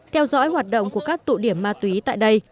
theo dõi hoạt động của các tụ điểm ma túy tại đây